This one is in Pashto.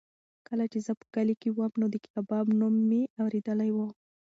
کله چې زه په کلي کې وم نو د کباب نوم مې اورېدلی و.